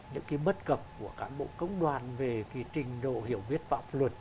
những cái bất cập của cán bộ công đoàn về cái trình độ hiểu biết pháp luật